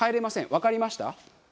わかりました？